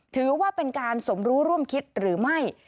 ถือว่าเป็นการสมรู้ร่วมคิดหรือไม่